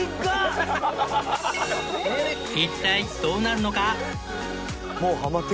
一体どうなるのか？